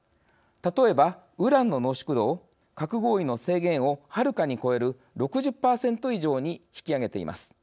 例えば、ウランの濃縮度を核合意の制限をはるかに超える６０％以上に引き上げています。